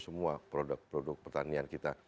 semua produk produk pertanian kita